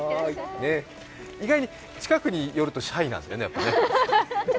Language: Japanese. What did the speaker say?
意外に近くに寄るとシャイなんだね、やっぱね。